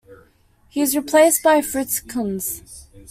He is replaced by Fritz Kunz.